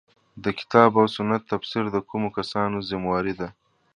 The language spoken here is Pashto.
د کتاب او سنت تفسیر د کومو کسانو ذمه واري ده.